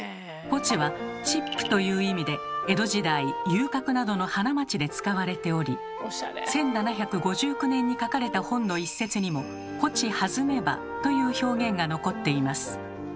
「ぽち」は「チップ」という意味で江戸時代遊郭などの花街で使われており１７５９年に書かれた本の一節にも「ぽちはずめば」という表現が残っています。